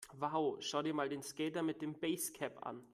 Wow, schau dir mal den Skater mit dem Basecap an!